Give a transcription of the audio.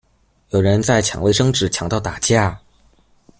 有人在抢卫生纸抢到打架